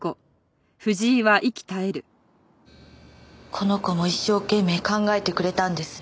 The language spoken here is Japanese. この子も一生懸命考えてくれたんです。